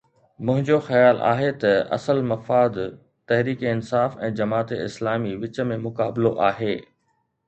منهنجو خيال آهي ته اصل مفاد تحريڪ انصاف ۽ جماعت اسلامي وچ ۾ مقابلو آهي.